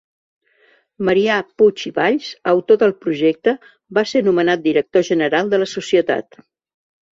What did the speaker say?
Marià Puig i Valls, autor del projecte va ser nomenat director general de la societat.